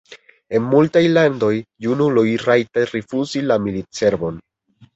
En multaj landoj junuloj rajtas rifuzi la militservon.